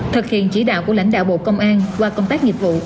thực hiện chỉ đạo của lãnh đạo bộ công an qua công tác nghiệp vụ